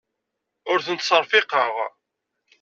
Ur ten-ttserfiqeɣ.